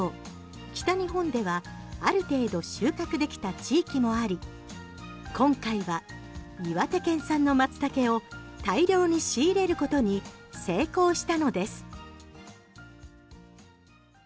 北日本ではある程度収穫できた地域もあり今回は岩手県産のマツタケを大量に仕入れることに成功したのです。